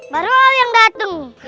baru orang dateng